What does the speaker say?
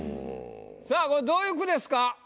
さぁこれどういう句ですか？